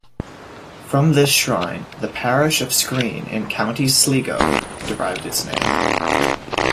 From this shrine the parish of Skreen in County Sligo derived its name.